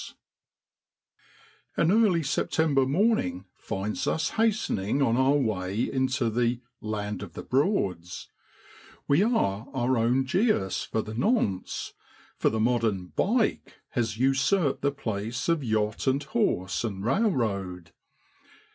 88 SEPTEMBER IN BROADLAND. An early September morning finds us hastening on our way into the ' Land of the Broads.' We are our own Jehus for the nonce, for the modern ( bike ' has usurped the place of yacht and horse and railroad.